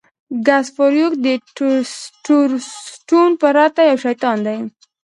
ګس فارویک د ټسټورسټون پرته یو شیطان دی